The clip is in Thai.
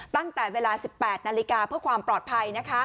ตั้งแต่เวลา๑๘นาฬิกาเพื่อความปลอดภัย